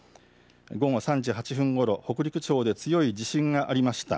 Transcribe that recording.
午後３時８分ごろ北陸地方で強い地震がありました。